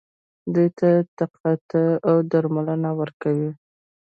دوی ته تقاعد او درملنه ورکوي.